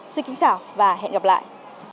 xin kính chào và hẹn gặp lại